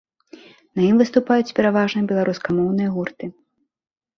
На ім выступаюць пераважна беларускамоўныя гурты.